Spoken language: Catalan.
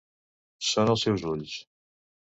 Són els seus ulls.